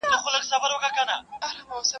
قوانین ولي بدلیږي؟